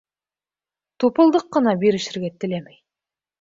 Тупылдыҡ ҡына бирешергә теләмәй.